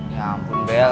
ya ampun bel